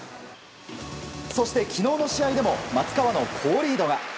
そして昨日の試合でも松川の好リードが。